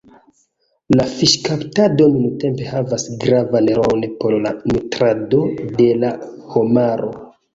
La fiŝkaptado nuntempe havas gravan rolon por la nutrado de la homaro.